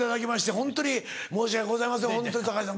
ホントに申し訳ございません堺さん